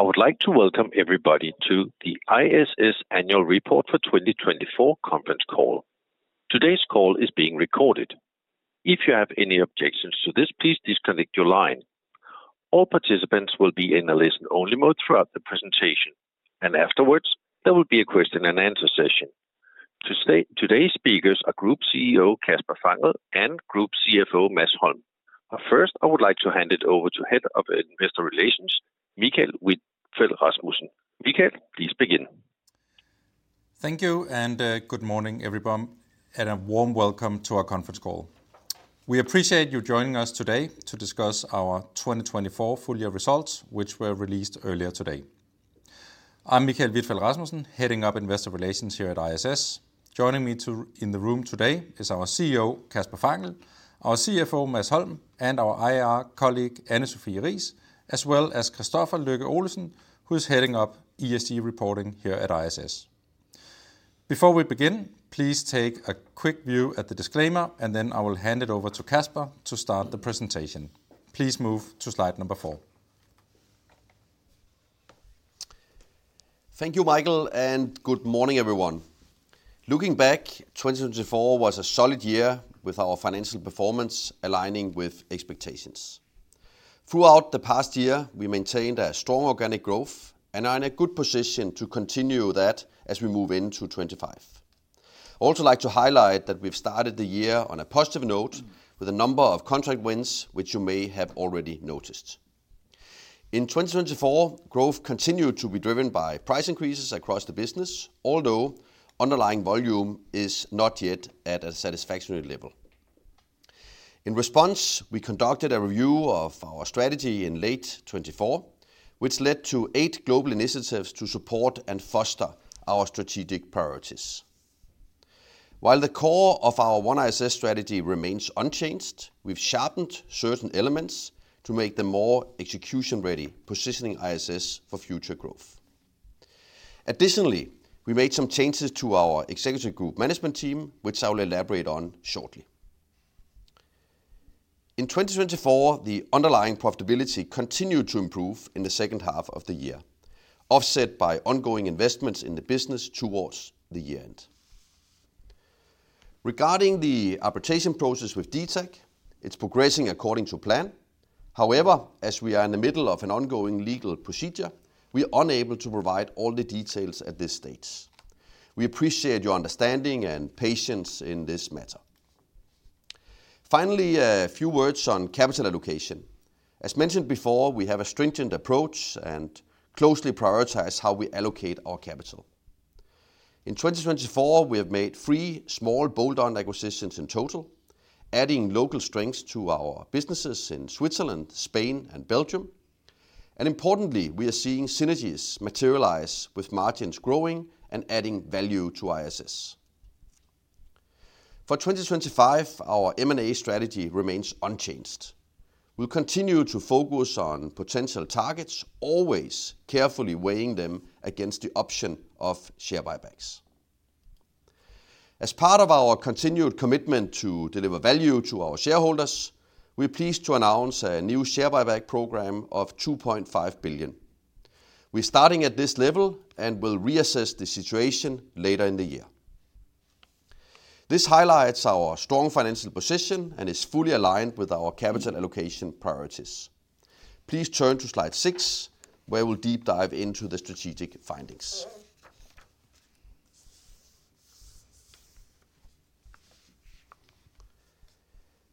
I would like to welcome everybody to the ISS Annual Report for 2024 Conference Call. Today's call is being recorded. If you have any objections to this, please disconnect your line. All participants will be in a listen-only mode throughout the presentation, and afterwards, there will be a question-and-answer session. Today's speakers are Group CEO Kasper Fangel and Group CFO Mads Holm. But first, I would like to hand it over to Head of Investor Relations, Michael Vitfell-Rasmussen. Michael, please begin. Thank you, and good morning, everyone, and a warm welcome to our conference call. We appreciate you joining us today to discuss our 2024 full-year results, which were released earlier today. I'm Michael Vitfell-Rasmussen, heading up Investor Relations here at ISS. Joining me in the room today is our CEO, Kasper Fangel, our CFO, Mads Holm, and our IR colleague, Anne-Sophie Riis, as well as Kristoffer Lykke-Olesen, who's heading up ESG reporting here at ISS. Before we begin, please take a quick view at the disclaimer, and then I will hand it over to Kasper to start the presentation. Please move to slide number four. Thank you, Michael, and good morning, everyone. Looking back, 2024 was a solid year with our financial performance aligning with expectations. Throughout the past year, we maintained a strong organic growth and are in a good position to continue that as we move into 2025. I'd also like to highlight that we've started the year on a positive note with a number of contract wins, which you may have already noticed. In 2024, growth continued to be driven by price increases across the business, although underlying volume is not yet at a satisfactory level. In response, we conducted a review of our strategy in late 2024, which led to eight global initiatives to support and foster our strategic priorities. While the core of our OneISS strategy remains unchanged, we've sharpened certain elements to make them more execution-ready, positioning ISS for future growth. Additionally, we made some changes to our Executive Group Management team, which I will elaborate on shortly. In 2024, the underlying profitability continued to improve in the second half of the year, offset by ongoing investments in the business towards the year-end. Regarding the arbitration process with DTAG, it's progressing according to plan. However, as we are in the middle of an ongoing legal procedure, we are unable to provide all the details at this stage. We appreciate your understanding and patience in this matter. Finally, a few words on capital allocation. As mentioned before, we have a stringent approach and closely prioritize how we allocate our capital. In 2024, we have made three small bolt-on acquisitions in total, adding local strengths to our businesses in Switzerland, Spain, and Belgium, and importantly, we are seeing synergies materialize with margins growing and adding value to ISS. For 2025, our M&A strategy remains unchanged. We'll continue to focus on potential targets, always carefully weighing them against the option of share buybacks. As part of our continued commitment to deliver value to our shareholders, we're pleased to announce a new share buyback program of 2.5 billion. We're starting at this level and will reassess the situation later in the year. This highlights our strong financial position and is fully aligned with our capital allocation priorities. Please turn to slide six, where we'll deep dive into the strategic findings.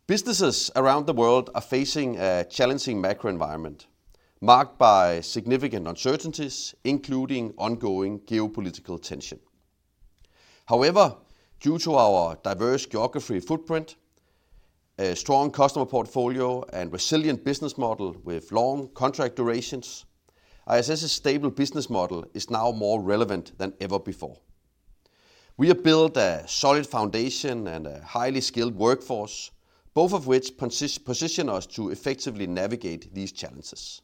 Businesses around the world are facing a challenging macro environment marked by significant uncertainties, including ongoing geopolitical tension. However, due to our diverse geography footprint, a strong customer portfolio, and a resilient business model with long contract durations, ISS stable business model is now more relevant than ever before. We have built a solid foundation and a highly skilled workforce, both of which position us to effectively navigate these challenges.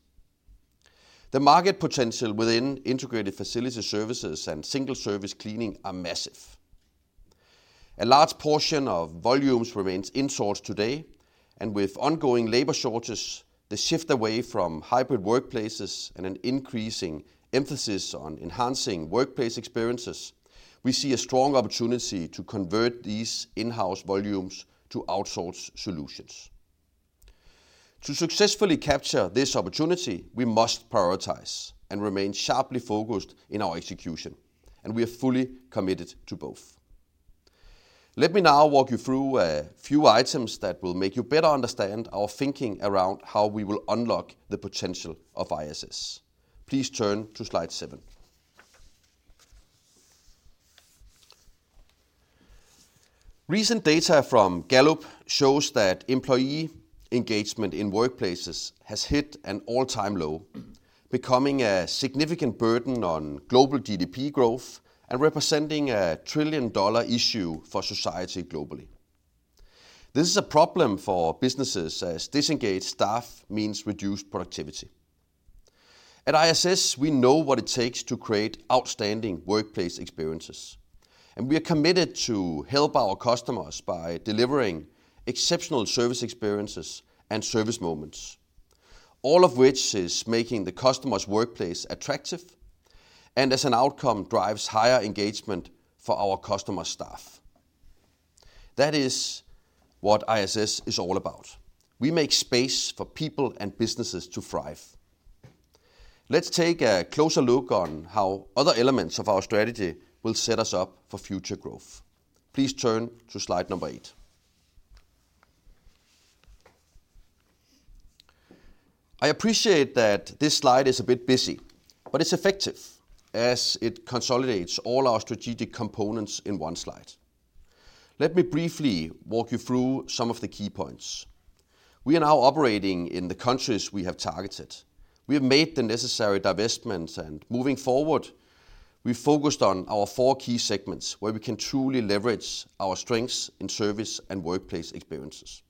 The market potential within integrated facility services and single-service cleaning is massive. A large portion of volumes remains insourced today, and with ongoing labor shortages, the shift away from hybrid workplaces and an increasing emphasis on enhancing workplace experiences, we see a strong opportunity to convert these in-house volumes to outsourced solutions. To successfully capture this opportunity, we must prioritize and remain sharply focused in our execution, and we are fully committed to both. Let me now walk you through a few items that will make you better understand our thinking around how we will unlock the potential of ISS. Please turn to slide seven. Recent data from Gallup shows that employee engagement in workplaces has hit an all-time low, becoming a significant burden on global GDP growth and representing a trillion-dollar issue for society globally. This is a problem for businesses as disengaged staff means reduced productivity. At ISS, we know what it takes to create outstanding workplace experiences, and we are committed to help our customers by delivering exceptional service experiences and service moments, all of which is making the customer's workplace attractive and, as an outcome, drives higher engagement for our customer staff. That is what ISS is all about. We make space for people and businesses to thrive. Let's take a closer look on how other elements of our strategy will set us up for future growth. Please turn to slide number eight. I appreciate that this slide is a bit busy, but it's effective as it consolidates all our strategic components in one slide. Let me briefly walk you through some of the key points. We are now operating in the countries we have targeted. We have made the necessary divestments, and moving forward, we focused on our four key segments where we can truly leverage our strengths in service and workplace experiences.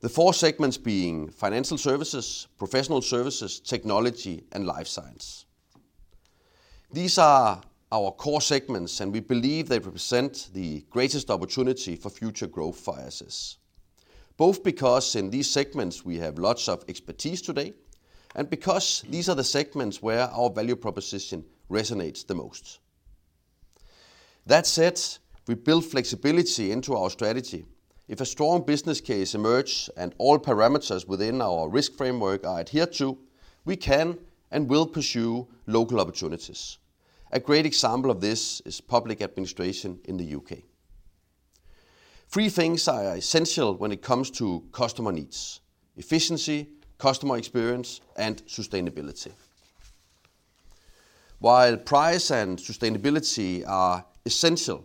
The four segments being Financial Services, Professional Services, Technology, and Life Sciences. These are our core segments, and we believe they represent the greatest opportunity for future growth for ISS, both because in these segments we have lots of expertise today and because these are the segments where our value proposition resonates the most. That said, we build flexibility into our strategy. If a strong business case emerges and all parameters within our risk framework are adhered to, we can and will pursue local opportunities. A great example of this is public administration in the U.K. Three things are essential when it comes to customer needs: efficiency, customer experience, and sustainability. While price and sustainability are essential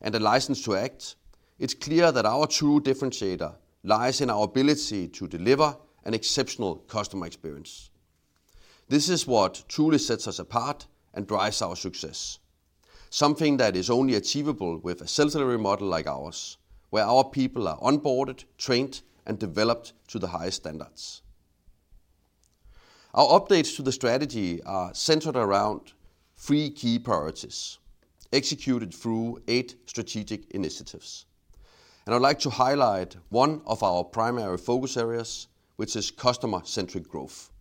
and a license to act, it's clear that our true differentiator lies in our ability to deliver an exceptional customer experience. This is what truly sets us apart and drives our success, something that is only achievable with a salary model like ours, where our people are onboarded, trained, and developed to the highest standards. Our updates to the strategy are centered around three key priorities executed through eight strategic initiatives, and I'd like to highlight one of our primary focus areas, which is customer-centric growth.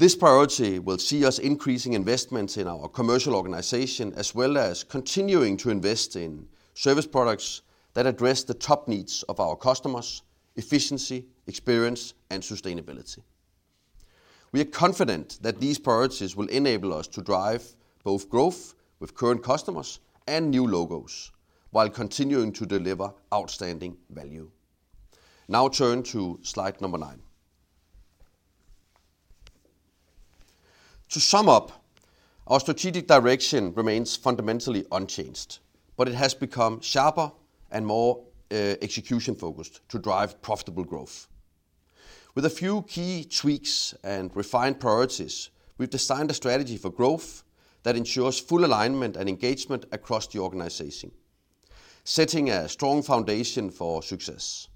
This priority will see us increasing investments in our commercial organization as well as continuing to invest in service products that address the top needs of our customers: efficiency, experience, and sustainability. We are confident that these priorities will enable us to drive both growth with current customers and new logos while continuing to deliver outstanding value. Now turn to slide number nine. To sum up, our strategic direction remains fundamentally unchanged, but it has become sharper and more execution-focused to drive profitable growth. With a few key tweaks and refined priorities, we've designed a strategy for growth that ensures full alignment and engagement across the organization, setting a strong foundation for success.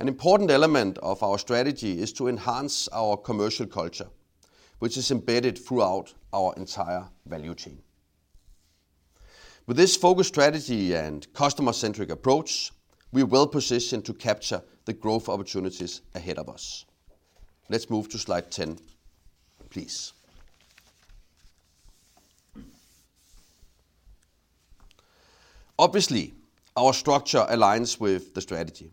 An important element of our strategy is to enhance our commercial culture, which is embedded throughout our entire value chain. With this focused strategy and customer-centric approach, we are well-positioned to capture the growth opportunities ahead of us. Let's move to slide 10, please. Obviously, our structure aligns with the strategy,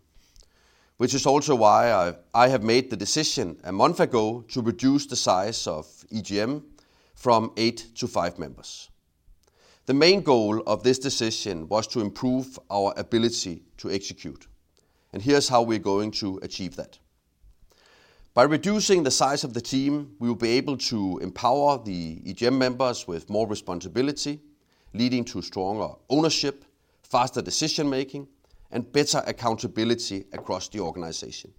which is also why I have made the decision a month ago to reduce the size of EGM from eight to five members. The main goal of this decision was to improve our ability to execute, and here's how we're going to achieve that. By reducing the size of the team, we will be able to empower the EGM members with more responsibility, leading to stronger ownership, faster decision-making, and better accountability across the organization.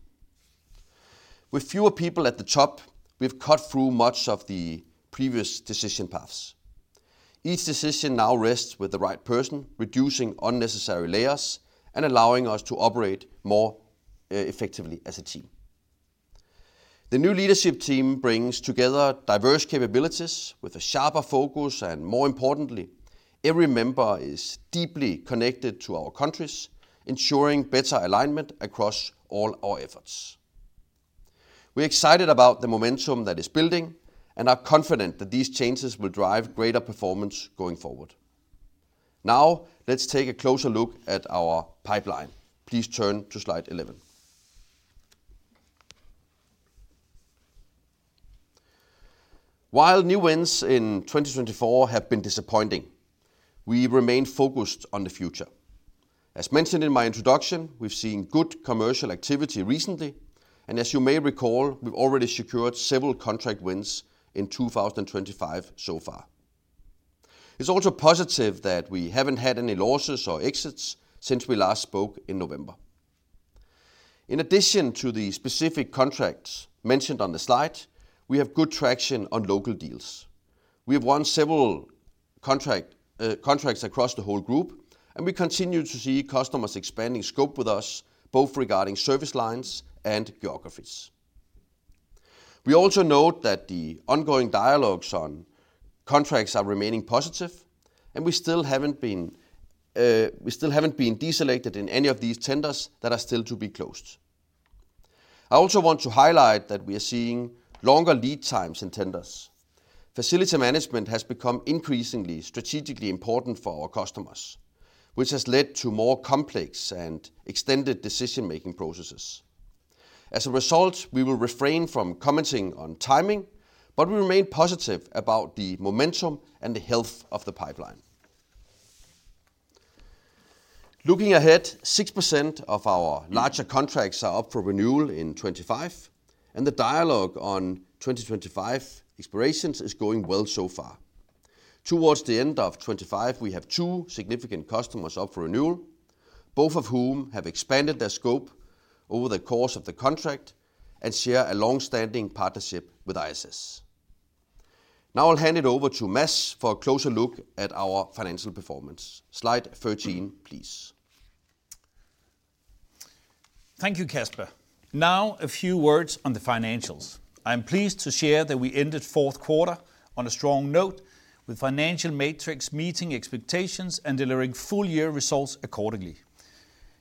With fewer people at the top, we've cut through much of the previous decision paths. Each decision now rests with the right person, reducing unnecessary layers and allowing us to operate more effectively as a team. The new leadership team brings together diverse capabilities with a sharper focus, and more importantly, every member is deeply connected to our countries, ensuring better alignment across all our efforts. We're excited about the momentum that is building and are confident that these changes will drive greater performance going forward. Now, let's take a closer look at our pipeline. Please turn to slide 11. While new wins in 2024 have been disappointing, we remain focused on the future. As mentioned in my introduction, we've seen good commercial activity recently, and as you may recall, we've already secured several contract wins in 2025 so far. It's also positive that we haven't had any losses or exits since we last spoke in November. In addition to the specific contracts mentioned on the slide, we have good traction on local deals. We have won several contracts across the whole group, and we continue to see customers expanding scope with us, both regarding service lines and geographies. We also note that the ongoing dialogues on contracts are remaining positive, and we still haven't been deselected in any of these tenders that are still to be closed. I also want to highlight that we are seeing longer lead times in tenders. Facility management has become increasingly strategically important for our customers, which has led to more complex and extended decision-making processes. As a result, we will refrain from commenting on timing, but we remain positive about the momentum and the health of the pipeline. Looking ahead, 6% of our larger contracts are up for renewal in 2025, and the dialogue on 2025 expirations is going well so far. Towards the end of 2025, we have two significant customers up for renewal, both of whom have expanded their scope over the course of the contract and share a long-standing partnership with ISS. Now I'll hand it over to Mads for a closer look at our financial performance. Slide 13, please. Thank you, Kasper. Now, a few words on the financials. I'm pleased to share that we ended fourth quarter on a strong note with financial metrics meeting expectations and delivering full-year results accordingly.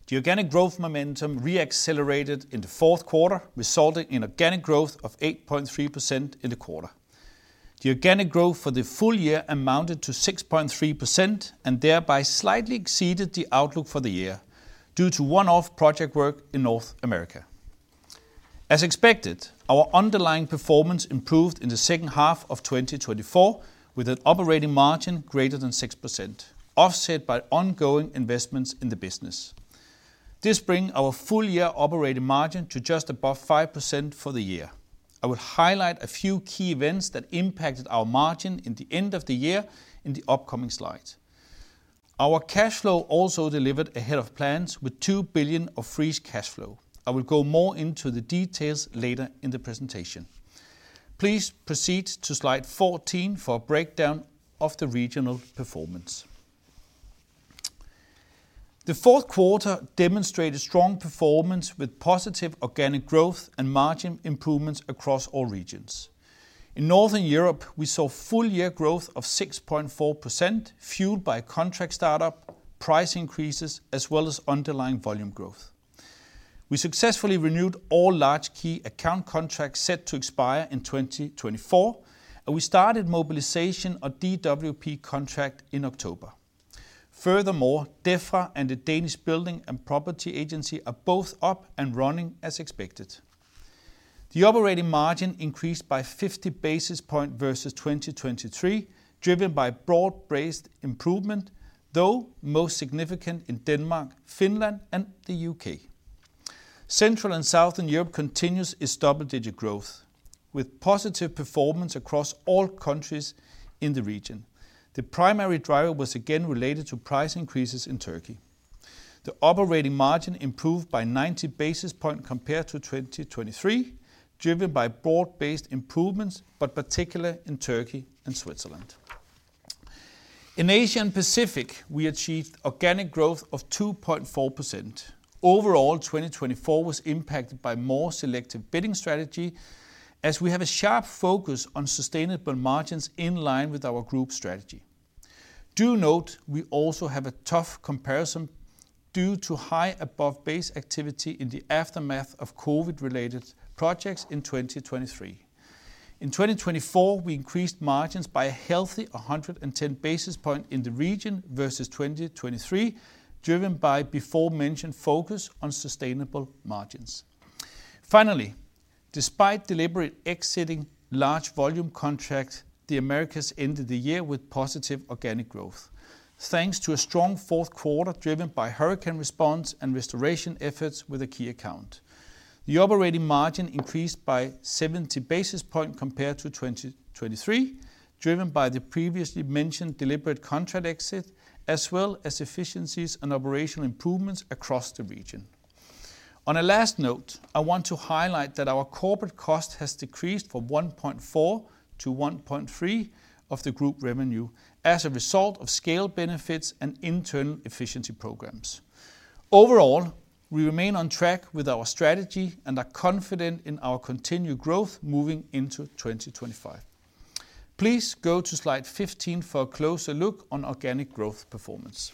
The organic growth momentum reaccelerated in the fourth quarter, resulting in organic growth of 8.3% in the quarter. The organic growth for the full year amounted to 6.3% and thereby slightly exceeded the outlook for the year due to one-off project work in North America. As expected, our underlying performance improved in the second half of 2024 with an operating margin greater than 6%, offset by ongoing investments in the business. This brings our full-year operating margin to just above 5% for the year. I will highlight a few key events that impacted our margin in the end of the year in the upcoming slide. Our cash flow also delivered ahead of plans with 2 billion of free cash flow. I will go more into the details later in the presentation. Please proceed to slide 14 for a breakdown of the regional performance. The fourth quarter demonstrated strong performance with positive organic growth and margin improvements across all regions. In Northern Europe, we saw full-year growth of 6.4%, fueled by contract startup, price increases, as well as underlying volume growth. We successfully renewed all large key account contracts set to expire in 2024, and we started mobilization of DWP contract in October. Furthermore, DEFRA and the Danish Building and Property Agency are both up and running as expected. The operating margin increased by 50 basis points versus 2023, driven by broad-based improvement, though most significant in Denmark, Finland, and the U.K. Central and Southern Europe continues its double-digit growth with positive performance across all countries in the region. The primary driver was again related to price increases in Turkey. The operating margin improved by 90 basis points compared to 2023, driven by broad-based improvements, but particularly in Turkey and Switzerland. In Asia & Pacific, we achieved organic growth of 2.4%. Overall, 2024 was impacted by more selective bidding strategy as we have a sharp focus on sustainable margins in line with our group strategy. Note we also have a tough comparison due to high above-base activity in the aftermath of COVID-related projects in 2023. In 2024, we increased margins by a healthy 110 basis points in the region versus 2023, driven by the aforementioned focus on sustainable margins. Finally, despite deliberate exiting large volume contracts, the Americas ended the year with positive organic growth, thanks to a strong fourth quarter driven by hurricane response and restoration efforts with a key account. The operating margin increased by 70 basis points compared to 2023, driven by the previously mentioned deliberate contract exit, as well as efficiencies and operational improvements across the region. On a last note, I want to highlight that our corporate cost has decreased from 1.4% to 1.3% of the group revenue as a result of scale benefits and internal efficiency programs. Overall, we remain on track with our strategy and are confident in our continued growth moving into 2025. Please go to slide 15 for a closer look on organic growth performance.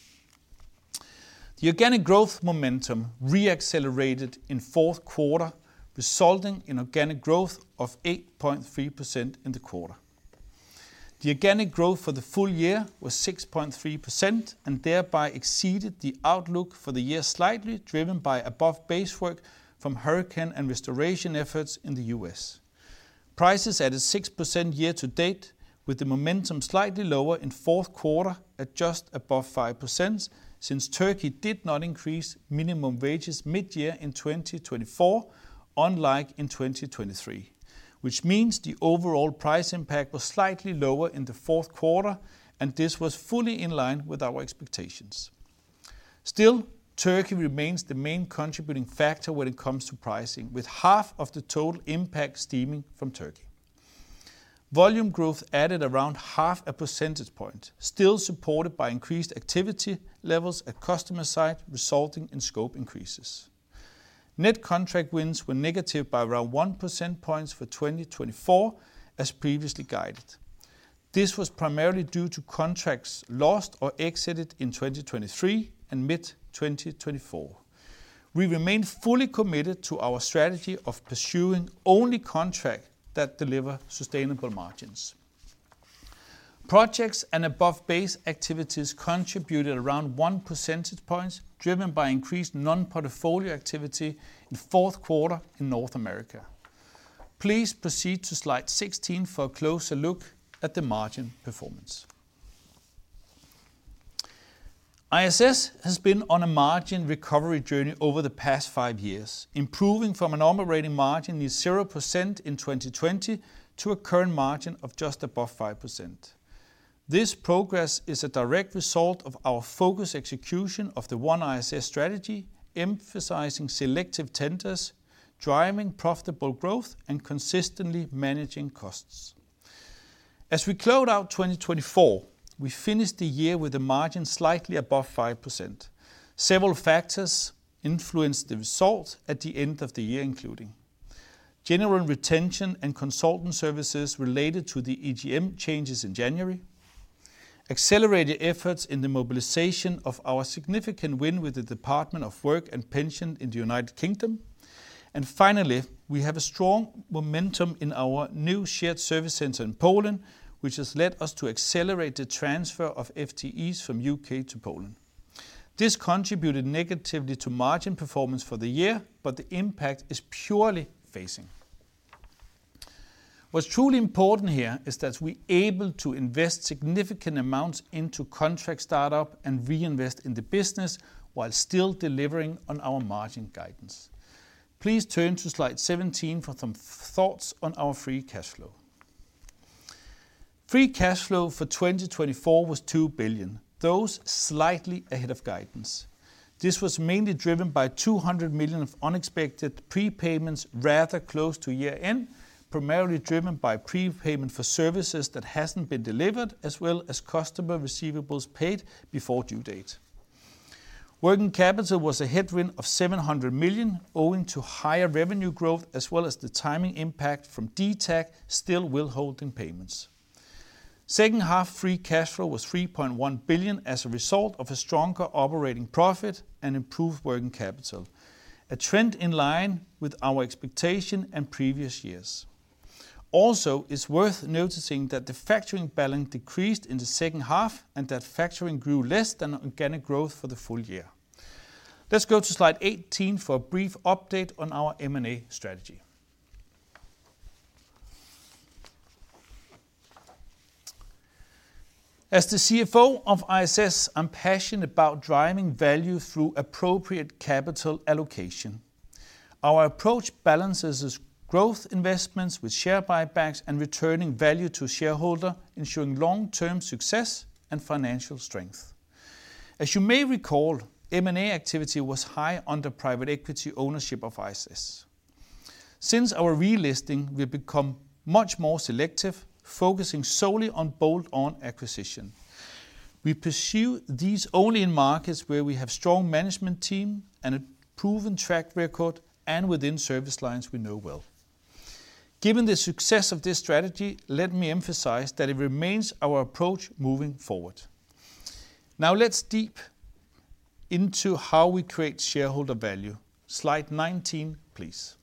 The organic growth momentum reaccelerated in fourth quarter, resulting in organic growth of 8.3% in the quarter. The organic growth for the full year was 6.3% and thereby exceeded the outlook for the year slightly, driven by above-base work from hurricane and restoration efforts in the U.S. Prices added 6% year to date, with the momentum slightly lower in fourth quarter at just above 5% since Turkey did not increase minimum wages mid-year in 2024, unlike in 2023, which means the overall price impact was slightly lower in the fourth quarter, and this was fully in line with our expectations. Still, Turkey remains the main contributing factor when it comes to pricing, with half of the total impact stemming from Turkey. Volume growth added around half a percentage point, still supported by increased activity levels at customer site, resulting in scope increases. Net contract wins were negative by around 1% points for 2024, as previously guided. This was primarily due to contracts lost or exited in 2023 and mid-2024. We remain fully committed to our strategy of pursuing only contracts that deliver sustainable margins. Projects and above-base activities contributed around 1% points, driven by increased non-portfolio activity in fourth quarter in North America. Please proceed to slide 16 for a closer look at the margin performance. ISS has been on a margin recovery journey over the past five years, improving from an operating margin near 0% in 2020 to a current margin of just above 5%. This progress is a direct result of our focused execution of the OneISS strategy, emphasizing selective tenders, driving profitable growth, and consistently managing costs. As we close out 2024, we finished the year with a margin slightly above 5%. Several factors influenced the result at the end of the year, including general retention and consultant services related to the EGM changes in January, accelerated efforts in the mobilization of our significant win with the Department for Work and Pensions in the United Kingdom, and finally, we have a strong momentum in our new shared service center in Poland, which has led us to accelerate the transfer of FTEs from the U.K. to Poland. This contributed negatively to margin performance for the year, but the impact is purely phasing. What's truly important here is that we are able to invest significant amounts into contract startup and reinvest in the business while still delivering on our margin guidance. Please turn to slide 17 for some thoughts on our free cash flow. Free cash flow for 2024 was 2 billion, though slightly ahead of guidance. This was mainly driven by 200 million of unexpected prepayments rather close to year-end, primarily driven by prepayment for services that haven't been delivered, as well as customer receivables paid before due date. Working capital was a headwind of 700 million, owing to higher revenue growth, as well as the timing impact from DTAG still withholding payments. Second half free cash flow was 3.1 billion as a result of a stronger operating profit and improved working capital, a trend in line with our expectation in previous years. Also, it's worth noticing that the factoring balance decreased in the second half and that factoring grew less than organic growth for the full year. Let's go to slide 18 for a brief update on our M&A strategy. As the CFO of ISS, I'm passionate about driving value through appropriate capital allocation. Our approach balances growth investments with share buybacks and returning value to shareholders, ensuring long-term success and financial strength. As you may recall, M&A activity was high under private equity ownership of ISS. Since our relisting, we've become much more selective, focusing solely on bolt-on acquisition. We pursue these only in markets where we have a strong management team and a proven track record, and within service lines we know well. Given the success of this strategy, let me emphasize that it remains our approach moving forward. Now let's dive into how we create shareholder value. Slide 19, please.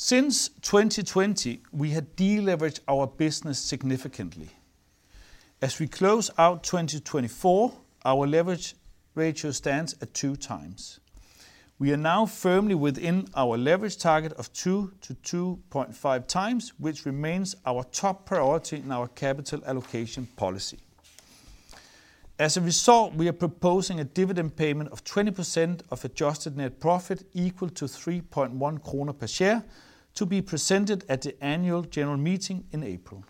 Since 2020, we had deleveraged our business significantly. As we close out 2024, our leverage ratio stands at two times. We are now firmly within our leverage target of 2 to 2.5 times, which remains our top priority in our capital allocation policy. As a result, we are proposing a dividend payment of 20% of adjusted net profit equal to 3.1 kroner per share to be presented at the annual general meeting in April.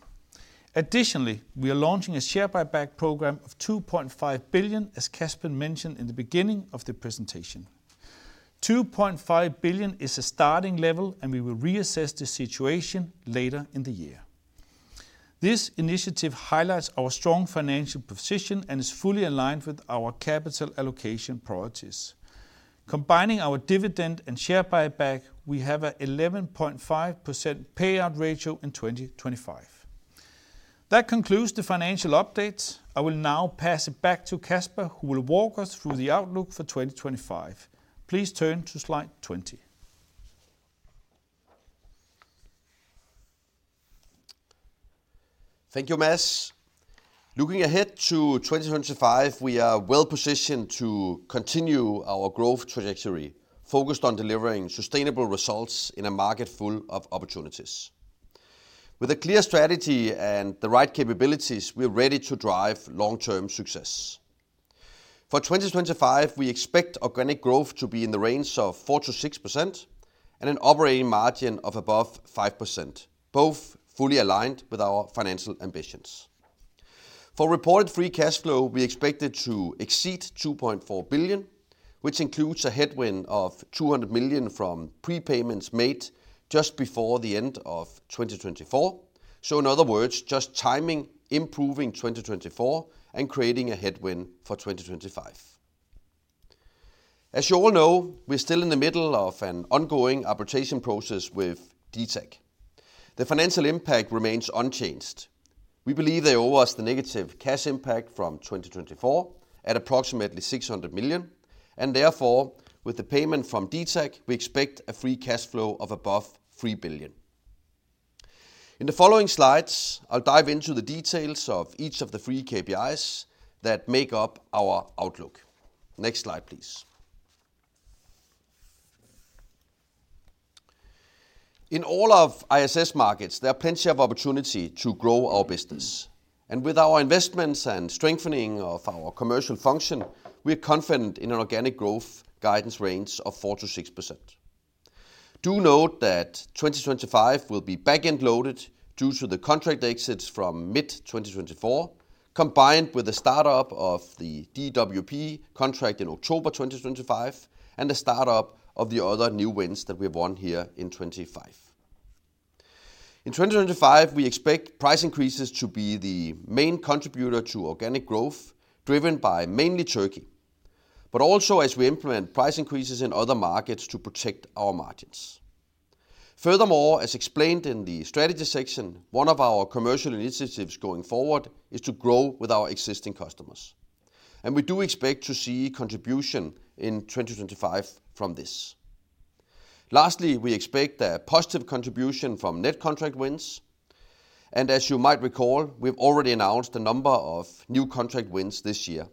Additionally, we are launching a share buyback program of 2.5 billion, as Kasper mentioned in the beginning of the presentation. 2.5 billion is a starting level, and we will reassess the situation later in the year. This initiative highlights our strong financial position and is fully aligned with our capital allocation priorities. Combining our dividend and share buyback, we have an 11.5% payout ratio in 2025. That concludes the financial update. I will now pass it back to Kasper, who will walk us through the outlook for 2025. Please turn to slide 20. Thank you, Mads. Looking ahead to 2025, we are well-positioned to continue our growth trajectory, focused on delivering sustainable results in a market full of opportunities. With a clear strategy and the right capabilities, we are ready to drive long-term success. For 2025, we expect organic growth to be in the range of 4%-6% and an operating margin of above 5%, both fully aligned with our financial ambitions. For reported free cash flow, we expect it to exceed 2.4 billion, which includes a headwind of 200 million from prepayments made just before the end of 2024. So, in other words, just timing improving 2024 and creating a headwind for 2025. As you all know, we're still in the middle of an ongoing arbitration process with DTAG. The financial impact remains unchanged. We believe they owe us the negative cash impact from 2024 at approximately 600 million. And therefore, with the payment from DTAG, we expect a free cash flow of above 3 billion. In the following slides, I'll dive into the details of each of the three KPIs that make up our outlook. Next slide, please. In all of ISS markets, there are plenty of opportunities to grow our business. And with our investments and strengthening of our commercial function, we are confident in an organic growth guidance range of 4% to 6%. Do note that 2025 will be back-end loaded due to the contract exits from mid-2024, combined with the startup of the DWP contract in October 2025 and the startup of the other new wins that we have won here in 2025. In 2025, we expect price increases to be the main contributor to organic growth, driven by mainly Turkey, but also as we implement price increases in other markets to protect our margins. Furthermore, as explained in the strategy section, one of our commercial initiatives going forward is to grow with our existing customers, and we do expect to see contribution in 2025 from this. Lastly, we expect a positive contribution from net contract wins, and as you might recall, we've already announced the number of new contract wins this year,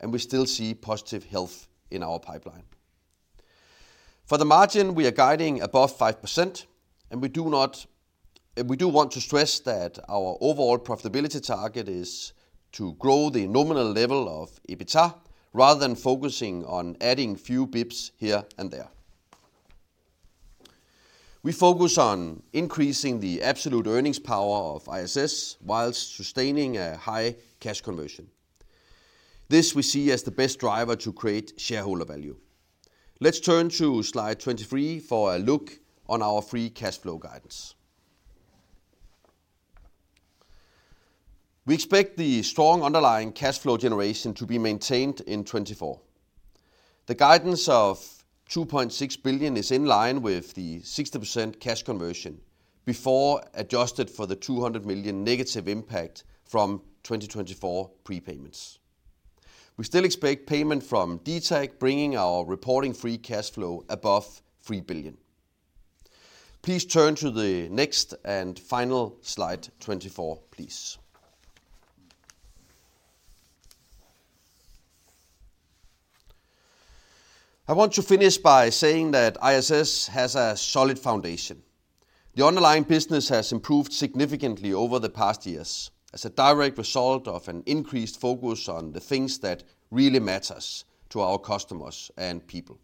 and we still see positive health in our pipeline. For the margin, we are guiding above 5%, and we do want to stress that our overall profitability target is to grow the nominal level of EBITDA rather than focusing on adding few basis points here and there. We focus on increasing the absolute earnings power of ISS while sustaining a high cash conversion. This we see as the best driver to create shareholder value. Let's turn to slide 23 for a look on our free cash flow guidance. We expect the strong underlying cash flow generation to be maintained in 2024. The guidance of 2.6 billion is in line with the 60% cash conversion before adjusted for the 200 million negative impact from 2024 prepayments. We still expect payment from DTAG bringing our reporting free cash flow above 3 billion. Please turn to the next and final slide 24, please. I want to finish by saying that ISS has a solid foundation. The underlying business has improved significantly over the past years as a direct result of an increased focus on the things that really matter to our customers and people.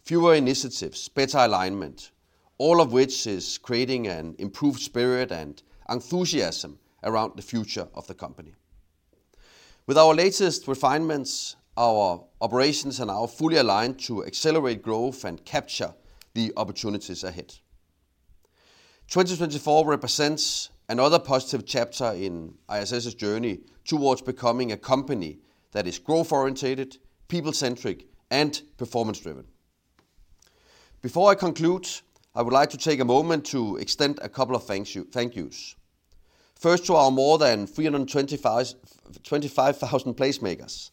Fewer initiatives, better alignment, all of which is creating an improved spirit and enthusiasm around the future of the company. With our latest refinements, our operations and our fully aligned to accelerate growth and capture the opportunities ahead. 2024 represents another positive chapter in ISS's journey towards becoming a company that is growth-oriented, people-centric, and performance-driven. Before I conclude, I would like to take a moment to extend a couple of thank yous. First, to our more than 325,000 Placemakers.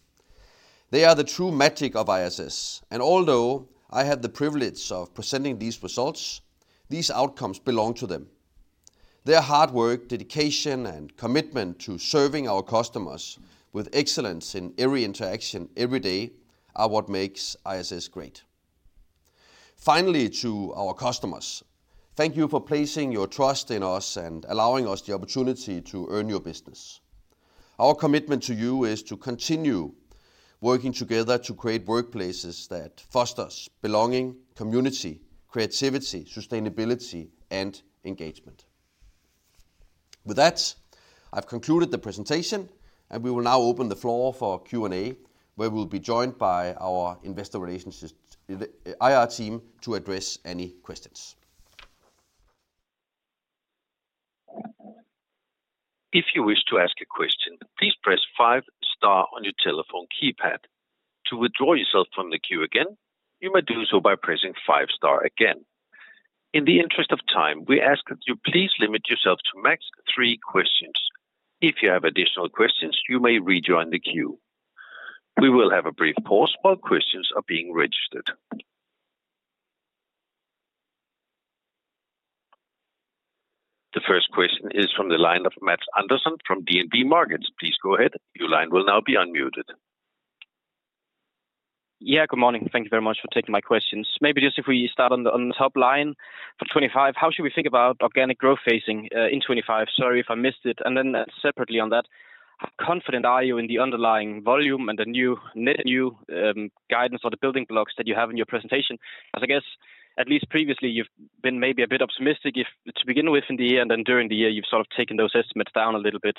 They are the true magic of ISS. And although I had the privilege of presenting these results, these outcomes belong to them. Their hard work, dedication, and commitment to serving our customers with excellence in every interaction every day are what makes ISS great. Finally, to our customers, thank you for placing your trust in us and allowing us the opportunity to earn your business. Our commitment to you is to continue working together to create workplaces that foster belonging, community, creativity, sustainability, and engagement. With that, I've concluded the presentation, and we will now open the floor for Q&A, where we'll be joined by our investor relations IR team to address any questions. If you wish to ask a question, please press five stars on your telephone keypad. To withdraw yourself from the queue again, you may do so by pressing five star again. In the interest of time, we ask that you please limit yourself to max three questions. If you have additional questions, you may rejoin the queue. We will have a brief pause while questions are being registered. The first question is from the line of Mads Andersen from DNB Markets. Please go ahead. Your line will now be unmuted. Yeah, good morning. Thank you very much for taking my questions. Maybe just if we start on the top line for 2025, how should we think about organic growth phasing in 2025? Sorry if I missed it, and then separately on that, how confident are you in the underlying volume and the new net new guidance or the building blocks that you have in your presentation? As I guess, at least previously, you've been maybe a bit optimistic to begin with in the year, and then during the year, you've sort of taken those estimates down a little bit.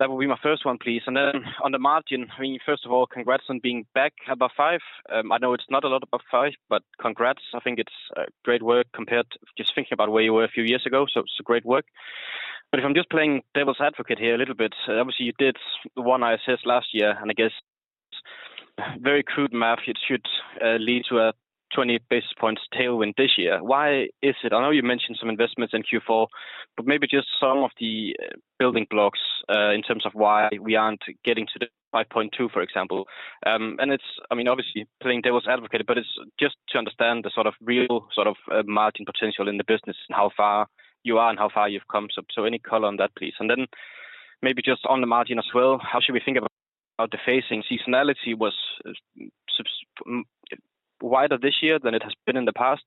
That will be my first one, please, and then on the margin, I mean, first of all, congrats on being back above five. I know it's not a lot above five, but congrats. I think it's great work compared to just thinking about where you were a few years ago, so it's great work. But if I'm just playing devil's advocate here a little bit, obviously you did OneISS last year, and I guess very crude math, it should lead to a 20 basis points tailwind this year. Why is it? I know you mentioned some investments in Q4, but maybe just some of the building blocks in terms of why we aren't getting to the 5.2, for example. And it's, I mean, obviously playing devil's advocate, but it's just to understand the sort of real sort of margin potential in the business and how far you are and how far you've come. So any color on that, please. And then maybe just on the margin as well, how should we think about the phasing? Seasonality was wider this year than it has been in the past.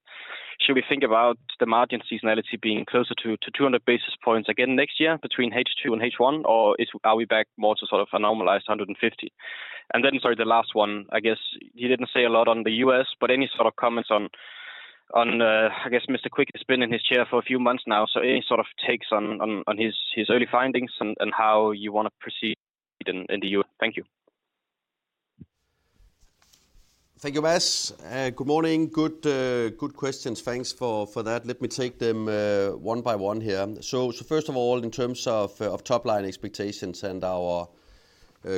Should we think about the margin seasonality being closer to 200 basis points again next year between H2 and H1, or are we back more to sort of a normalized 150? And then, sorry, the last one, I guess you didn't say a lot on the U.S., but any sort of comments on, I guess, Mr. Quick has been in his chair for a few months now. So any sort of takes on his early findings and how you want to proceed in the U.S.? Thank you. Thank you, Mads. Good morning. Good questions. Thanks for that. Let me take them one by one here. So first of all, in terms of top-line expectations and our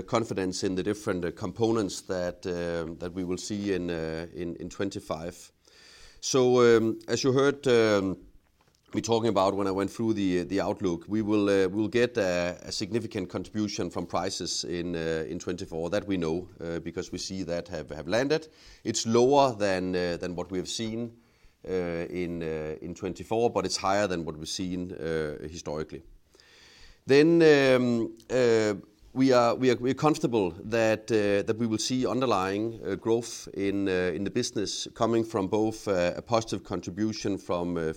confidence in the different components that we will see in 2025. As you heard me talking about when I went through the outlook, we will get a significant contribution from prices in 2024 that we know because we see that have landed. It's lower than what we have seen in 2024, but it's higher than what we've seen historically. Then we are comfortable that we will see underlying growth in the business coming from both a positive contribution from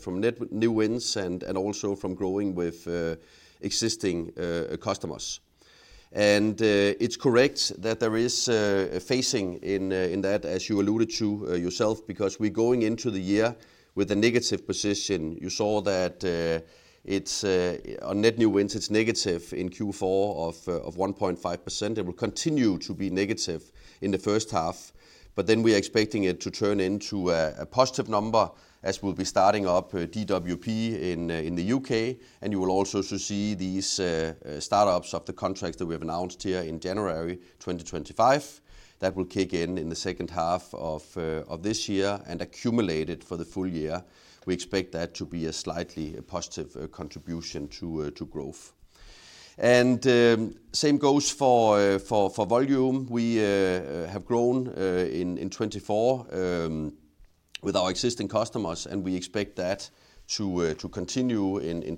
new wins and also from growing with existing customers. And it's correct that there is a phasing in that, as you alluded to yourself, because we're going into the year with a negative position. You saw that on net new wins; it's negative in Q4 of 1.5%. It will continue to be negative in the first half, but then we are expecting it to turn into a positive number as we'll be starting up DWP in the U.K. And you will also see these startups of the contracts that we have announced here in January 2025 that will kick in in the second half of this year and accumulate it for the full year. We expect that to be a slightly positive contribution to growth. And same goes for volume. We have grown in 2024 with our existing customers, and we expect that to continue in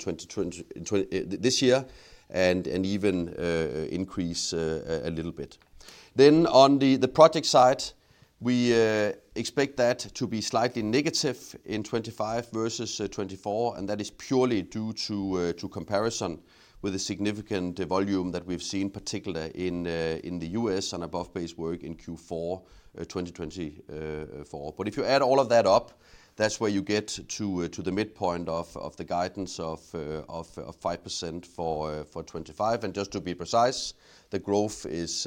this year and even increase a little bit. Then on the project side, we expect that to be slightly negative in 2025 versus 2024, and that is purely due to comparison with the significant volume that we've seen, particularly in the U.S. and above-base work in Q4 2024. But if you add all of that up, that's where you get to the midpoint of the guidance of 5% for 2025. And just to be precise, the growth is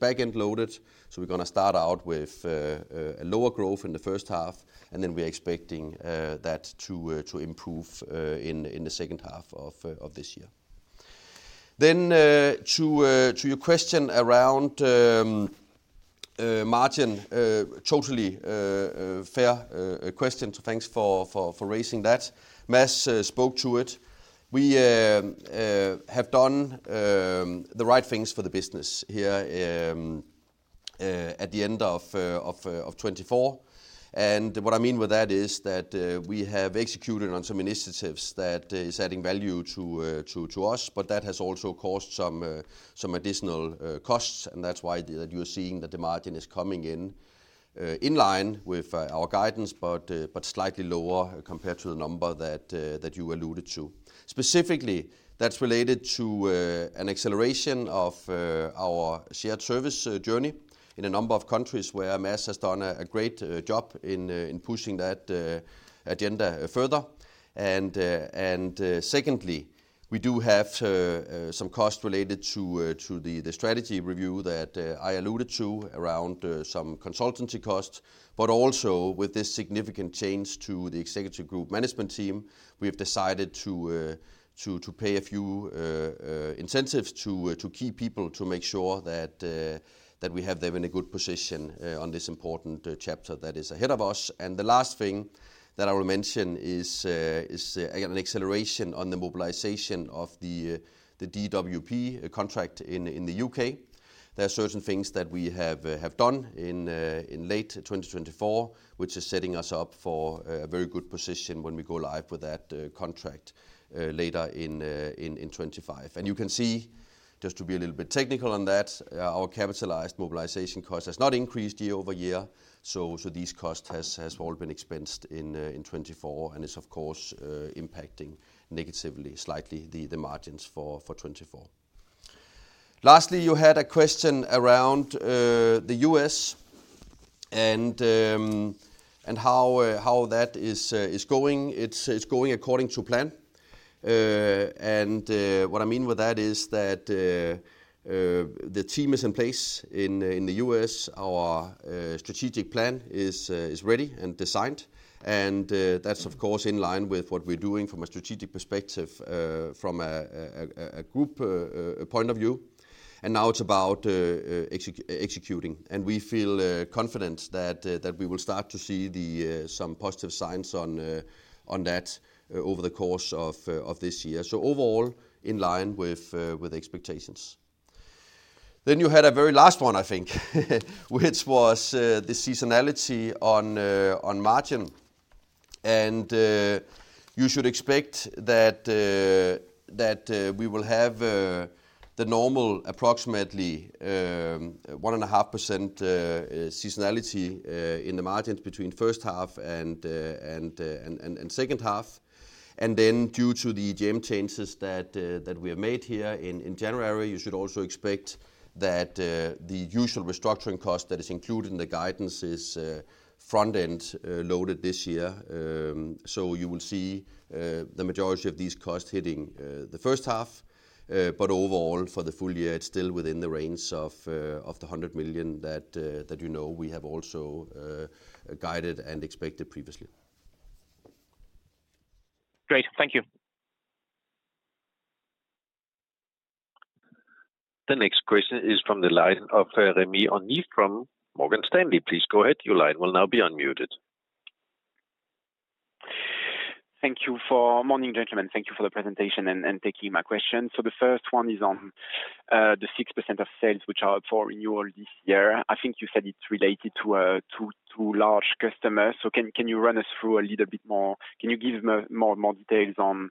back-end loaded. So we're going to start out with a lower growth in the first half, and then we are expecting that to improve in the second half of this year. Then to your question around margin, totally fair question. So thanks for raising that. Mads spoke to it. We have done the right things for the business here at the end of 2024. And what I mean with that is that we have executed on some initiatives that are adding value to us, but that has also caused some additional costs. And that's why that you are seeing that the margin is coming in in line with our guidance, but slightly lower compared to the number that you alluded to. Specifically, that's related to an acceleration of our shared service journey in a number of countries where Mads has done a great job in pushing that agenda further. And secondly, we do have some costs related to the strategy review that I alluded to around some consultancy costs. But also with this significant change to the Executive Group Management team, we have decided to pay a few incentives to key people to make sure that we have them in a good position on this important chapter that is ahead of us. And the last thing that I will mention is an acceleration on the mobilization of the DWP contract in the U.K. There are certain things that we have done in late 2024, which is setting us up for a very good position when we go live with that contract later in 2025. And you can see, just to be a little bit technical on that, our capitalized mobilization cost has not increased year over year. So these costs have all been expensed in 2024, and it's, of course, impacting negatively slightly the margins for 2024. Lastly, you had a question around the U.S. and how that is going. It's going according to plan. And what I mean with that is that the team is in place in the U.S. Our strategic plan is ready and designed. And that's, of course, in line with what we're doing from a strategic perspective, from a group point of view. And now it's about executing. And we feel confident that we will start to see some positive signs on that over the course of this year. So overall, in line with expectations. Then you had a very last one, I think, which was the seasonality on margin. And you should expect that we will have the normal approximately 1.5% seasonality in the margins between first half and second half. Then due to the EGM changes that we have made here in January, you should also expect that the usual restructuring cost that is included in the guidance is front-end loaded this year. So you will see the majority of these costs hitting the first half. But overall, for the full year, it's still within the range of the 100 million that you know we have also guided and expected previously. Great. Thank you. The next question is from the line of Rémi Grenu from Morgan Stanley. Please go ahead. Your line will now be unmuted. Thank you. Good morning, gentlemen. Thank you for the presentation and taking my question. So the first one is on the 6% of sales which are up for renewal this year. I think you said it's related to large customers. So can you run us through a little bit more? Can you give more details on the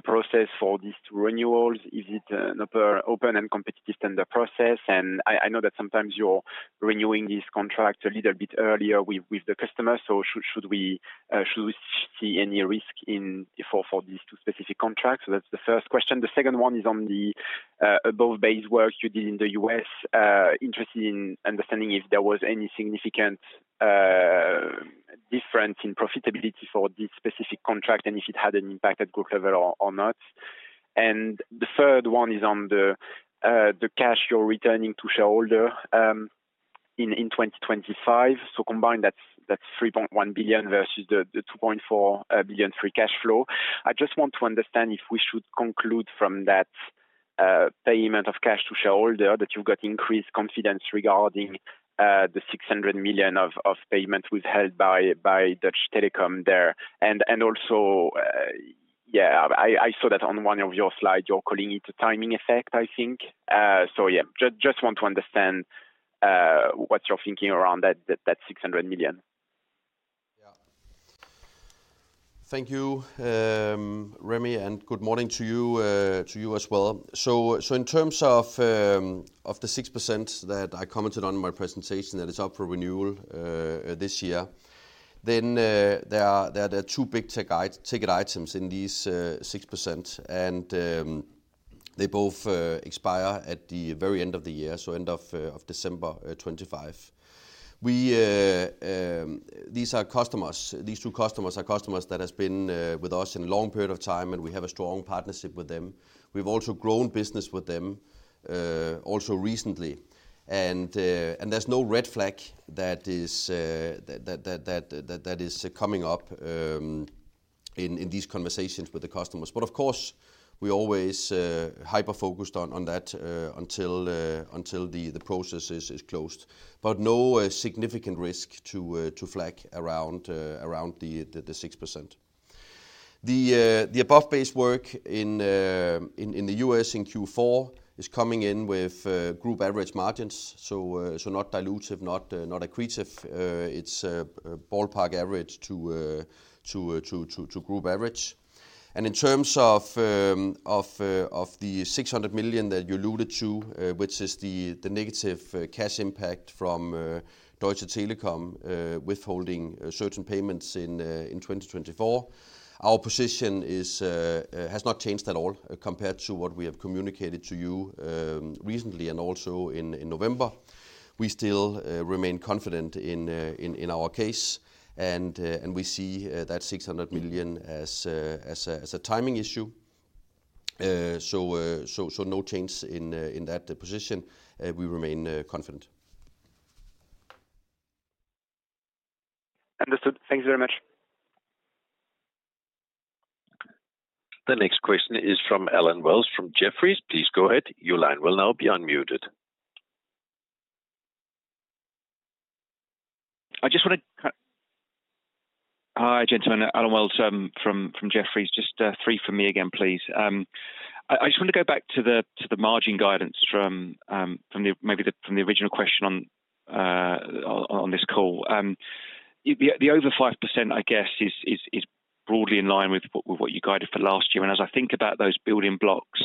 process for these renewals? Is it an open and competitive tender process? And I know that sometimes you're renewing these contracts a little bit earlier with the customers. So should we see any risk for these two specific contracts? So that's the first question. The second one is on the above-base work you did in the U.S. Interested in understanding if there was any significant difference in profitability for this specific contract and if it had an impact at group level or not. And the third one is on the cash you're returning to shareholders in 2025. So combined, that's 3.1 billion versus the 2.4 billion free cash flow. I just want to understand if we should conclude from that payment of cash to shareholders that you've got increased confidence regarding the 600 million of payments withheld by Deutsche Telekom there. And also, yeah, I saw that on one of your slides, you're calling it a timing effect, I think. So yeah, just want to understand what you're thinking around that 600 million. Yeah. Thank you, Remi, and good morning to you as well. So in terms of the 6% that I commented on in my presentation that is up for renewal this year, then there are two big-ticket items in these 6%, and they both expire at the very end of the year, so end of December 2025. These two customers are customers that have been with us in a long period of time, and we have a strong partnership with them. We've also grown business with them also recently. And there's no red flag that is coming up in these conversations with the customers. But of course, we're always hyper-focused on that until the process is closed. But no significant risk to flag around the 6%. The above-base work in the U.S. in Q4 is coming in with group average margins. So not dilutive, not accretive. It's ballpark average to group average. And in terms of the 600 million that you alluded to, which is the negative cash impact from Deutsche Telekom withholding certain payments in 2024, our position has not changed at all compared to what we have communicated to you recently and also in November. We still remain confident in our case, and we see that 600 million as a timing issue. So no change in that position. We remain confident. Understood. Thank you very much. The next question is from Allen Wells from Jefferies. Please go ahead. Your line will now be unmuted. Hi, gentlemen. Allen Wells from Jefferies. Just three from me again, please. I just want to go back to the margin guidance from maybe the original question on this call. The over 5%, I guess, is broadly in line with what you guided for last year, and as I think about those building blocks,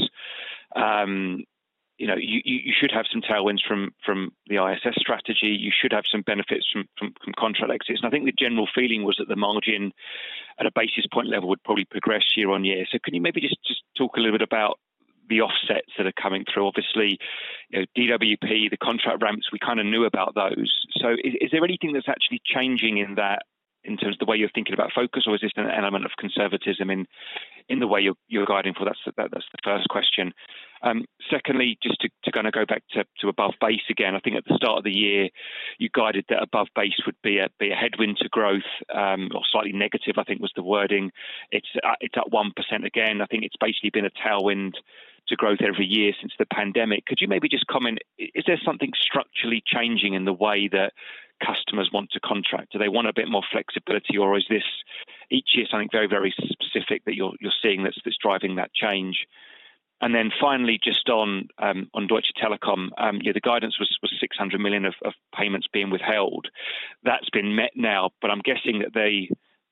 you should have some tailwinds from the ISS strategy. You should have some benefits from contract exits, and I think the general feeling was that the margin at a basis point level would probably progress year on year, so can you maybe just talk a little bit about the offsets that are coming through? Obviously, DWP, the contract ramps, we kind of knew about those, so is there anything that's actually changing in that in terms of the way you're thinking about focus, or is this an element of conservatism in the way you're guiding for? That's the first question. Secondly, just to kind of go back to above base again, I think at the start of the year, you guided that above base would be a headwind to growth or slightly negative, I think, was the wording. It's at 1% again. I think it's basically been a tailwind to growth every year since the pandemic. Could you maybe just comment? Is there something structurally changing in the way that customers want to contract? Do they want a bit more flexibility, or is this each year, something very, very specific that you're seeing that's driving that change? And then finally, just on Deutsche Telekom, the guidance was 600 million of payments being withheld. That's been met now, but I'm guessing that there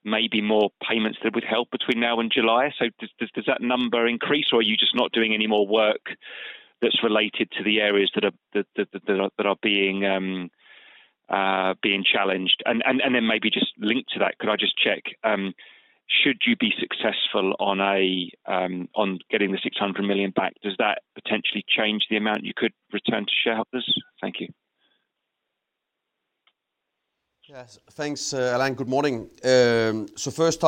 may be more payments that would help between now and July. So does that number increase, or are you just not doing any more work that's related to the areas that are being challenged? And then maybe just linked to that, could I just check? Should you be successful on getting the 600 million back, does that potentially change the amount you could return to shareholders? Thank you. Yes. Thanks, Allen. Good morning. So first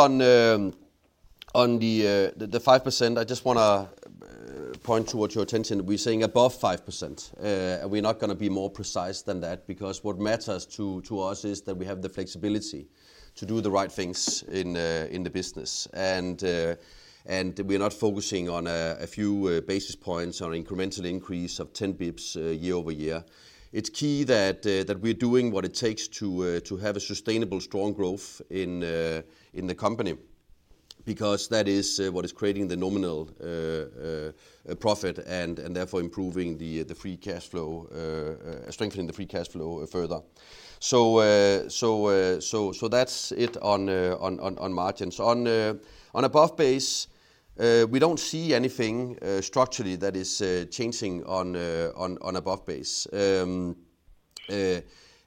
on the 5%, I just want to point towards your attention that we're saying above 5%. We're not going to be more precise than that because what matters to us is that we have the flexibility to do the right things in the business. And we're not focusing on a few basis points or incremental increase of 10 basis points year over year. It's key that we're doing what it takes to have a sustainable, strong growth in the company because that is what is creating the nominal profit and therefore improving the free cash flow, strengthening the free cash flow further. So that's it on margins. On above base, we don't see anything structurally that is changing on above base.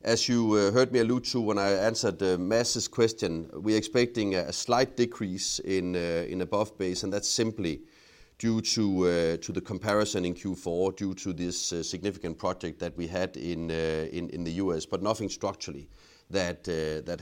As you heard me allude to when I answered Mads's question, we're expecting a slight decrease in above base, and that's simply due to the comparison in Q4 due to this significant project that we had in the U.S., but nothing structurally that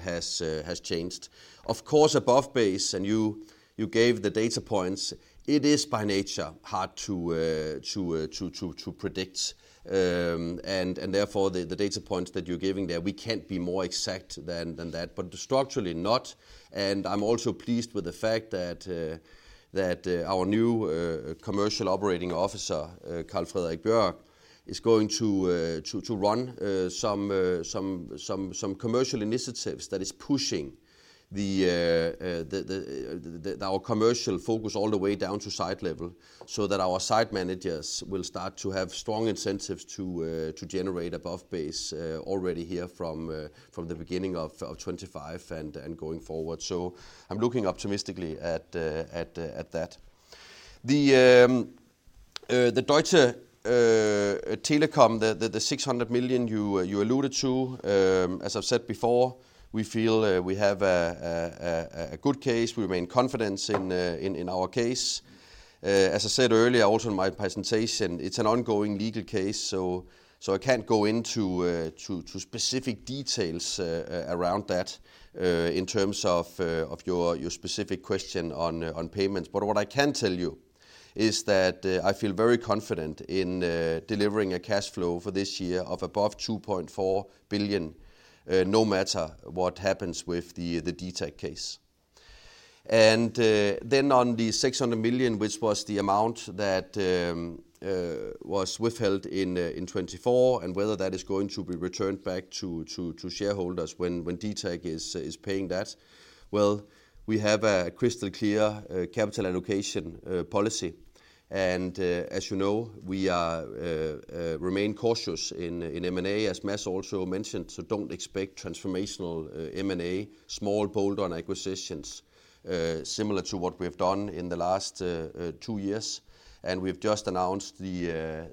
has changed. Of course, above base, and you gave the data points, it is by nature hard to predict. And therefore, the data points that you're giving there, we can't be more exact than that, but structurally not. I'm also pleased with the fact that our new commercial operating officer, Carl-Fredrik Bjor, is going to run some commercial initiatives that is pushing our commercial focus all the way down to site level so that our site managers will start to have strong incentives to generate above-base already here from the beginning of 2025 and going forward. So I'm looking optimistically at that. The Deutsche Telekom, the 600 million you alluded to, as I've said before, we feel we have a good case. We remain confident in our case. As I said earlier, also in my presentation, it's an ongoing legal case. So I can't go into specific details around that in terms of your specific question on payments. But what I can tell you is that I feel very confident in delivering a cash flow for this year of above 2.4 billion, no matter what happens with the DTAG case. And then on the 600 million, which was the amount that was withheld in 2024 and whether that is going to be returned back to shareholders when DTAG is paying that, well, we have a crystal clear capital allocation policy. And as you know, we remain cautious in M&A, as Mads also mentioned. So don't expect transformational M&A, small bolt-on acquisitions similar to what we have done in the last two years. And we've just announced the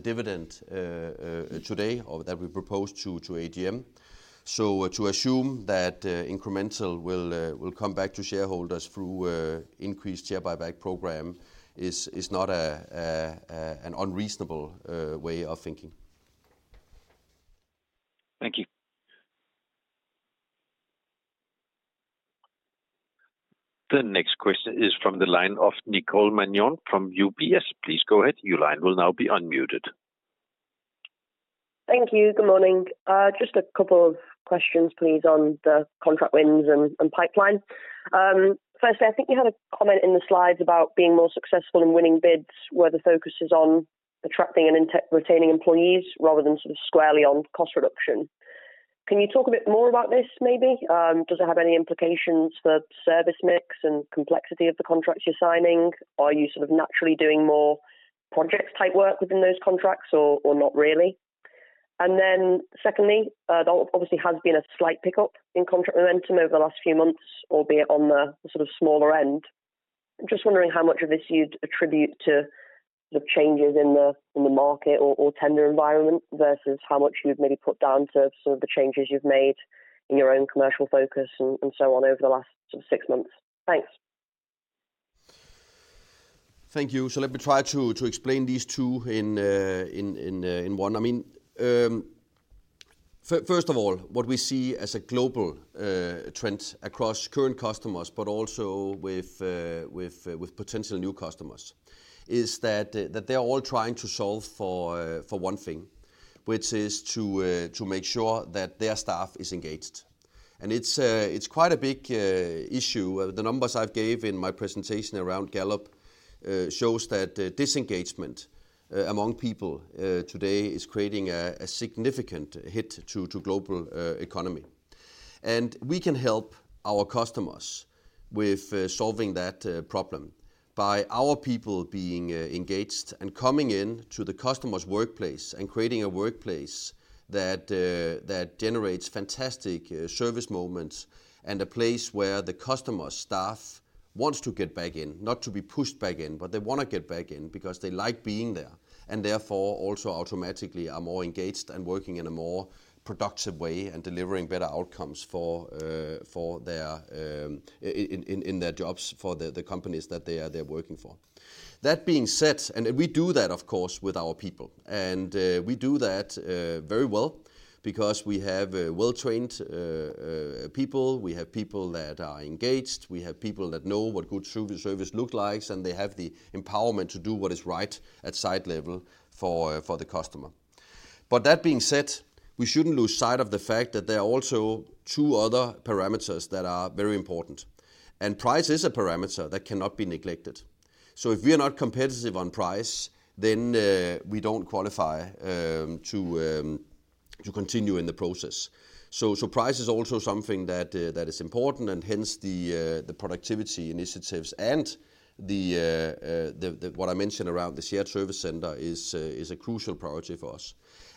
dividend today that we proposed to AGM. So to assume that incremental will come back to shareholders through increased share buyback program is not an unreasonable way of thinking. Thank you. The next question is from the line of Nicole Manion from UBS. Please go ahead. Your line will now be unmuted. Thank you. Good morning. Just a couple of questions, please, on the contract wins and pipeline. Firstly, I think you had a comment in the slides about being more successful in winning bids where the focus is on attracting and retaining employees rather than sort of squarely on cost reduction. Can you talk a bit more about this, maybe? Does it have any implications for service mix and complexity of the contracts you're signing? Are you sort of naturally doing more project-type work within those contracts or not really? And then secondly, there obviously has been a slight pickup in contract momentum over the last few months, albeit on the sort of smaller end. Just wondering how much of this you'd attribute to the changes in the market or tender environment versus how much you've maybe put down to some of the changes you've made in your own commercial focus and so on over the last sort of six months? Thanks. Thank you, so let me try to explain these two in one. I mean, first of all, what we see as a global trend across current customers, but also with potential new customers, is that they're all trying to solve for one thing, which is to make sure that their staff is engaged, and it's quite a big issue. The numbers I've given in my presentation around Gallup show that disengagement among people today is creating a significant hit to the global economy. And we can help our customers with solving that problem by our people being engaged and coming into the customer's workplace and creating a workplace that generates fantastic service moments and a place where the customer's staff wants to get back in, not to be pushed back in, but they want to get back in because they like being there and therefore also automatically are more engaged and working in a more productive way and delivering better outcomes in their jobs for the companies that they are working for. That being said, and we do that, of course, with our people. And we do that very well because we have well-trained people. We have people that are engaged. We have people that know what good service looks like, and they have the empowerment to do what is right at site level for the customer. But that being said, we shouldn't lose sight of the fact that there are also two other parameters that are very important. And price is a parameter that cannot be neglected. So if we are not competitive on price, then we don't qualify to continue in the process. So price is also something that is important, and hence the productivity initiatives and what I mentioned around the shared service center is a crucial priority for us.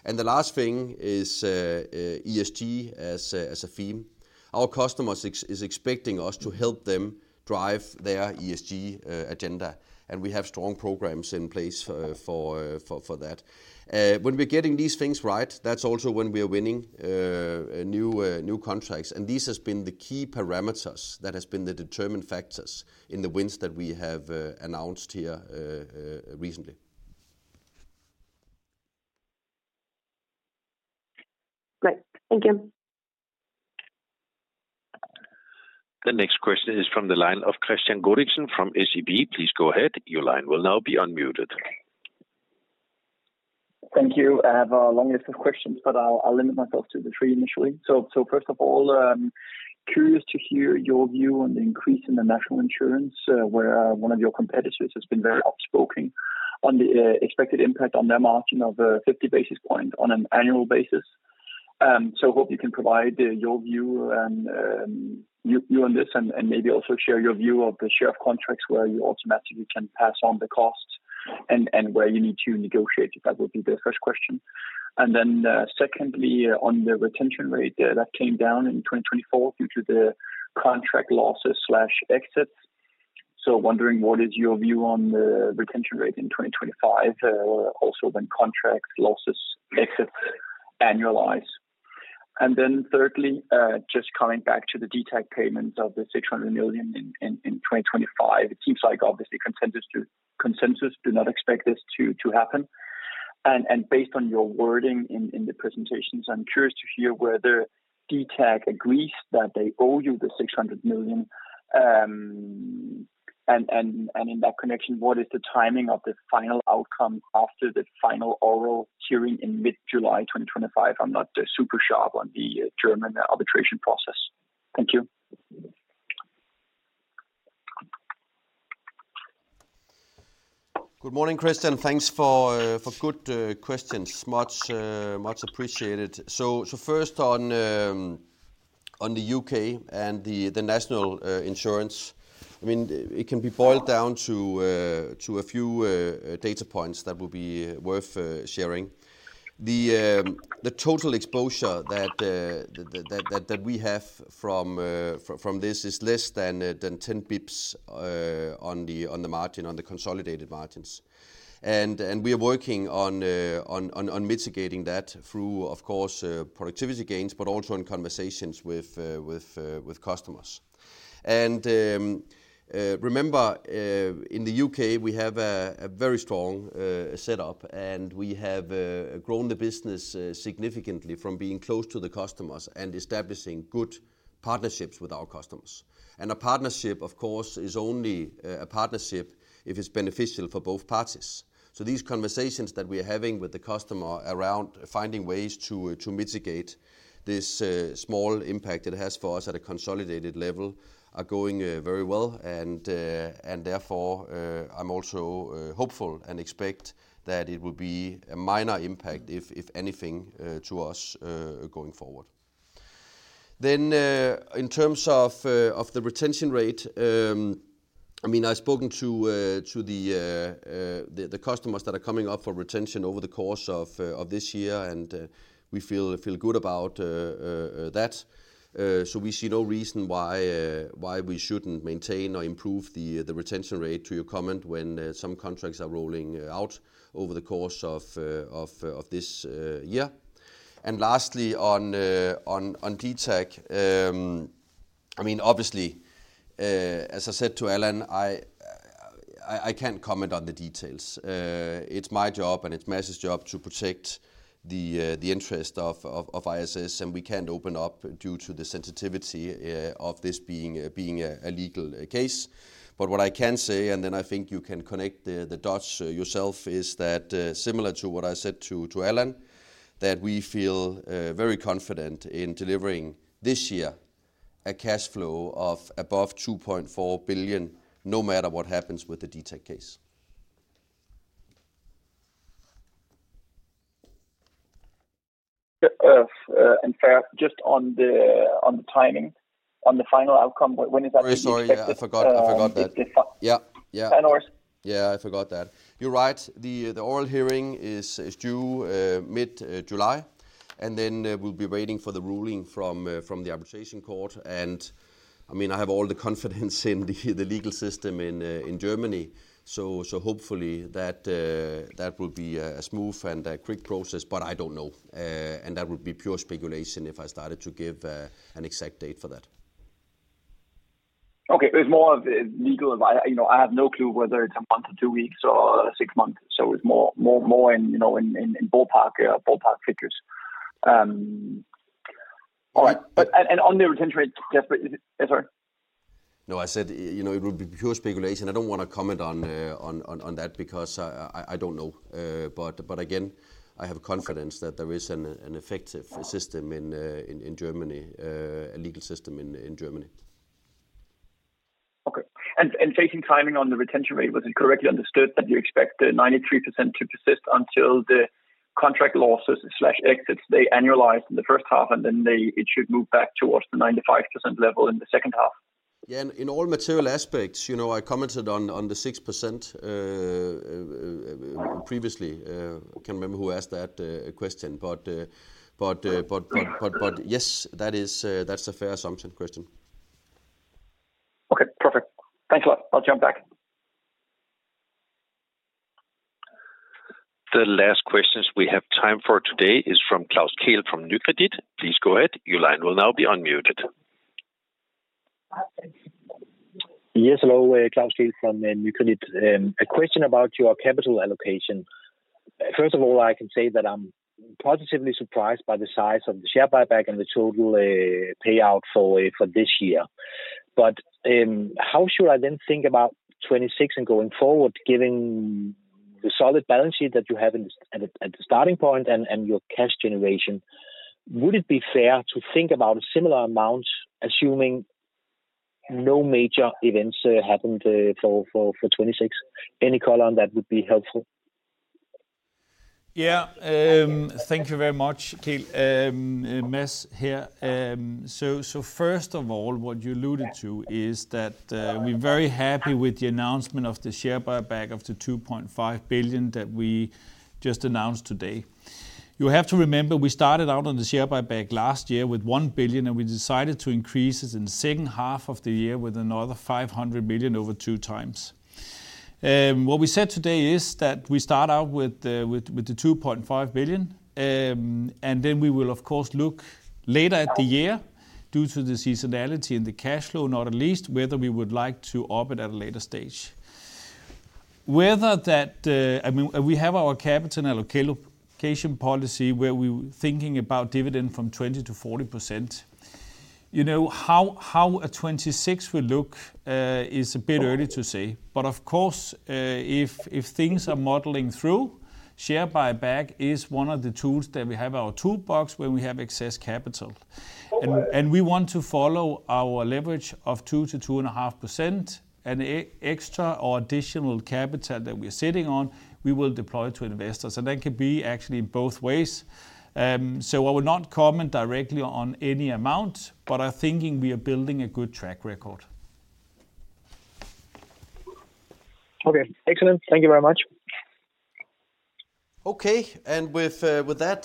And the last thing is ESG as a theme. Our customers are expecting us to help them drive their ESG agenda. And we have strong programs in place for that. When we're getting these things right, that's also when we are winning new contracts. And these have been the key parameters that have been the determining factors in the wins that we have announced here recently. Great. Thank you. The next question is from the line of Kristian Godiksen from SEB. Please go ahead. Your line will now be unmuted. Thank you. I have a long list of questions, but I'll limit myself to the three initially. So first of all, curious to hear your view on the increase in the National Insurance, where one of your competitors has been very outspoken on the expected impact on their margin of 50 basis points on an annual basis. So I hope you can provide your view on this and maybe also share your view of the share of contracts where you automatically can pass on the cost and where you need to negotiate, if that would be the first question. And then secondly, on the retention rate that came down in 2024 due to the contract losses/exits. So, wondering what is your view on the retention rate in 2025, also when contract losses/exits annualize. And then thirdly, just coming back to the DTAG payments of the 600 million in 2025, it seems like obviously consensus do not expect this to happen. And based on your wording in the presentations, I'm curious to hear whether DTAG agrees that they owe you the 600 million. And in that connection, what is the timing of the final outcome after the final oral hearing in mid-July 2025? I'm not super sharp on the German arbitration process. Thank you. Good morning, Kristian. Thanks for good questions. Much appreciated. So first on the U.K. and the National Insurance, I mean, it can be boiled down to a few data points that will be worth sharing. The total exposure that we have from this is less than 10 basis points on the margin, on the consolidated margins. And we are working on mitigating that through, of course, productivity gains, but also in conversations with customers. And remember, in the U.K., we have a very strong setup, and we have grown the business significantly from being close to the customers and establishing good partnerships with our customers. And a partnership, of course, is only a partnership if it's beneficial for both parties. So these conversations that we are having with the customer around finding ways to mitigate this small impact it has for us at a consolidated level are going very well. And therefore, I'm also hopeful and expect that it will be a minor impact, if anything, to us going forward. Then in terms of the retention rate, I mean, I've spoken to the customers that are coming up for retention over the course of this year, and we feel good about that. So we see no reason why we shouldn't maintain or improve the retention rate to your comment when some contracts are rolling out over the course of this year. And lastly, on DT, I mean, obviously, as I said to Allen, I can't comment on the details. It's my job and it's Mads's job to protect the interest of ISS, and we can't open up due to the sensitivity of this being a legal case. What I can say, and then I think you can connect the dots yourself, is that similar to what I said to Allen, that we feel very confident in delivering this year a cash flow of above 2.4 billion, no matter what happens with the DTAG case. And just on the timing, on the final outcome, when is that? Sorry, I forgot that. Yeah. Yeah. Yeah, I forgot that. You're right. The oral hearing is due mid-July, and then we'll be waiting for the ruling from the arbitration court. And I mean, I have all the confidence in the legal system in Germany. So hopefully, that will be a smooth and quick process, but I don't know. And that would be pure speculation if I started to give an exact date for that. Okay. It's more of the legal advisor. I have no clue whether it's a month or two weeks or six months. So it's more in ballpark figures. All right. And on the retention rate, sorry? No, I said it would be pure speculation. I don't want to comment on that because I don't know. But again, I have confidence that there is an effective system in Germany, a legal system in Germany. Okay. And regarding timing on the retention rate, was it correctly understood that you expect 93% to persist until the contract losses/exits that annualize in the first half, and then it should move back towards the 95% level in the second half? Yeah. In all material aspects, I commented on the 6% previously. I can't remember who asked that question. But yes, that's a fair assumption, Kristian. Okay. Perfect. Thanks a lot. I'll jump back. The last questions we have time for today is from Klaus Kehl from Nykredit. Please go ahead. Your line will now be unmuted. Yes. Hello. Klaus Kehl from Nykredit. A question about your capital allocation. First of all, I can say that I'm positively surprised by the size of the share buyback and the total payout for this year. But how should I then think about 2026 and going forward, given the solid balance sheet that you have at the starting point and your cash generation? Would it be fair to think about a similar amount, assuming no major events happened for 2026? Any color on that would be helpful. Yeah. Thank you very much, Klaus. Mads here. So first of all, what you alluded to is that we're very happy with the announcement of the share buyback of the 2.5 billion that we just announced today. You have to remember, we started out on the share buyback last year with 1 billion, and we decided to increase it in the second half of the year with another 500 million over two times. What we said today is that we start out with the 2.5 billion, and then we will, of course, look later at the year due to the seasonality and the cash flow, not least, whether we would like to add to it at a later stage. I mean, we have our capital allocation policy where we're thinking about dividend from 20% to 40%. How 2026 will look is a bit early to say. But of course, if things are muddling through, share buyback is one of the tools that we have in our toolbox when we have excess capital. And we want to follow our leverage of 2%-2.5%, and extra or additional capital that we're sitting on, we will deploy to investors. And that could be actually in both ways. So I will not comment directly on any amount, but I'm thinking we are building a good track record. Okay. Excellent. Thank you very much. Okay. And with that,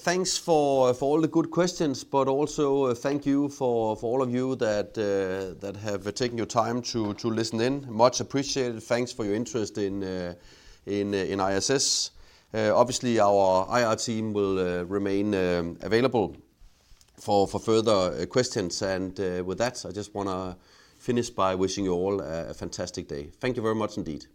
thanks for all the good questions, but also thank you for all of you that have taken your time to listen in. Much appreciated. Thanks for your interest in ISS. Obviously, our IR team will remain available for further questions. And with that, I just want to finish by wishing you all a fantastic day. Thank you very much indeed.